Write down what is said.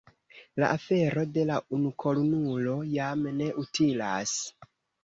La afero de la unukornulo jam ne utilas.